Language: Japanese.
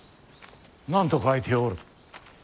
何と書いておる？